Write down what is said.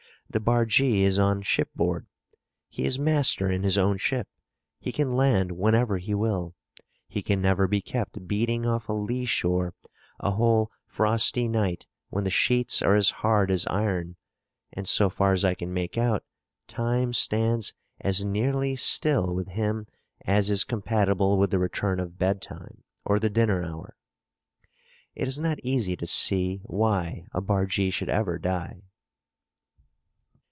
The bargee is on shipboard—he is master in his own ship—he can land whenever he will—he can never be kept beating off a lee shore a whole frosty night when the sheets are as hard as iron; and so far as I can make out, time stands as nearly still with him as is compatible with the return of bed time or the dinner hour. It is not easy to see why a bargee should ever die.